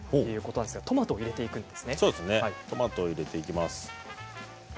トマトを入れていきます。